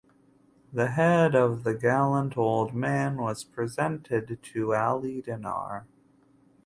The head of the "gallant old man" was presented to Ali Dinar.